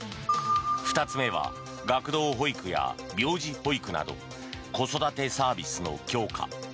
２つ目は学童保育や病児保育など子育てサービスの強化。